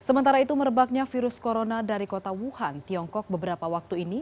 sementara itu merebaknya virus corona dari kota wuhan tiongkok beberapa waktu ini